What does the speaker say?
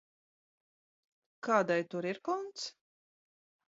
Kādai tur ir konts?